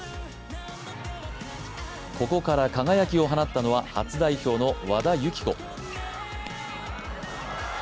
ここから輝きを放ったのは初代表の和田由紀子。